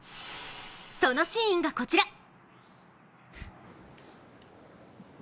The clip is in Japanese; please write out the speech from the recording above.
そのシーンがこちら。